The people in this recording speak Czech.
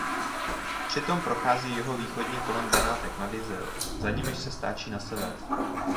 Přitom prochází jihovýchodně kolem Benátek nad Jizerou za nimiž se stáčí na sever.